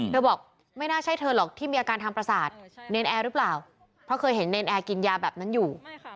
บอกไม่น่าใช่เธอหรอกที่มีอาการทางประสาทเนรนแอร์หรือเปล่าเพราะเคยเห็นเนรนแอร์กินยาแบบนั้นอยู่